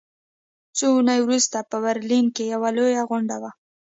څو اونۍ وروسته په برلین کې یوه لویه غونډه وه